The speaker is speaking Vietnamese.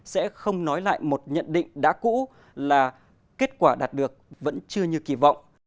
sẽ không nói lại một nhận định đã cũ là kết quả đạt được vẫn chưa như kỳ vọng